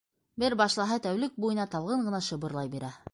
Бер башлаһа, тәүлек буйына талғын ғына шыбырлай бирә.